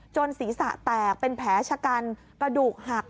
ศีรษะแตกเป็นแผลชะกันกระดูกหัก